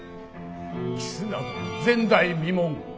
キスなど前代未聞。